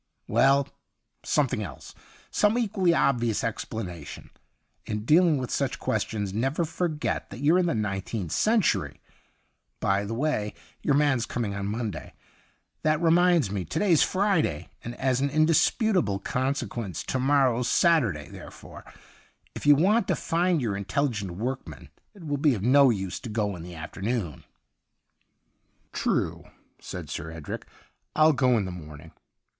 ' Well, something else — some equally obvious explanation. In dealing with such questions, never forget that you're in the nineteenth century. By the way, your man's coming on Monday. That reminds me to day's Friday, and as an indis putable consequence to morrow's Saturday, therefore, if you want to find your intelligent workmen it will be of no use to go in the after noon.' ' True,' said Sir Edric, ' I'll go in the morning.'